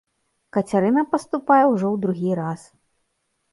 Кацярына паступае ўжо ў другі раз.